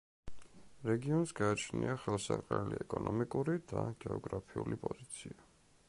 რეგიონს გააჩნია ხელსაყრელი ეკონომიკური და გეოგრაფიული პოზიცია.